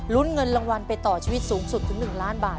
เงินรางวัลไปต่อชีวิตสูงสุดถึง๑ล้านบาท